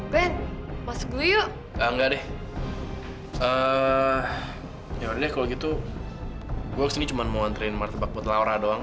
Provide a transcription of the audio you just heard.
ben mas gue yuk nggak deh eh ya udah kalau gitu gue cuman mau antrein martabak buat laura doang